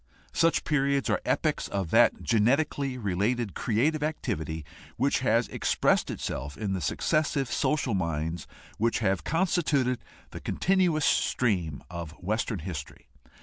Such periods are epochs of that genetically related creative activity which has expressed itself in the successive social minds which have constituted the continuous stream of Western history.